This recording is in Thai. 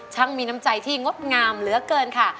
ช่างมีน้ำใจที่งดงามเหลือเกินค่ะ